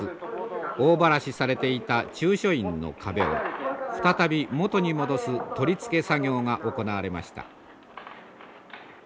大ばらしされていた中書院の壁を再び元に戻すとりつけ作業が行われました。